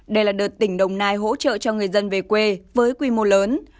đây là đợt tỉnh đồng nai hỗ trợ cho người dân về quê với quy mô lớn